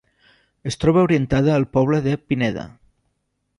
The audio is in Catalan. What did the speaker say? Es troba orientada al poble de Pineda.